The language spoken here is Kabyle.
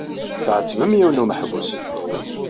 Tɛettbem yiwen n umeḥbus.